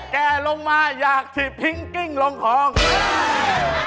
แกลงมาอยากที่พิ้งกิ้งลงทองเฮ่ย